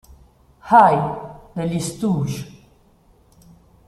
Eye" degli Stooges.